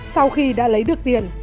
sau khi đã lấy được tiền